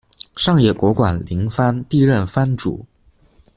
上野国馆林藩第一任藩主。